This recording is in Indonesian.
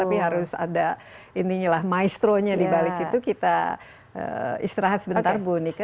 jadi kalau ada intinya lah maestro nya di balik situ kita istirahat sebentar bu nika